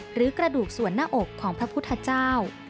หรือกระดูกส่วนหน้าอกของพระพุทธเจ้า